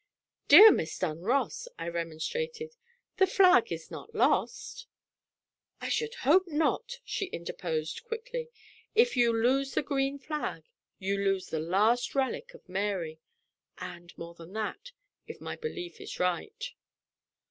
"Dear Miss Dunross," I remonstrated, "the flag is not lost." "I should hope not!" she interposed, quickly. "If you lose the green flag, you lose the last relic of Mary and more than that, if my belief is right."